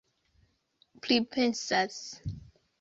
pripensas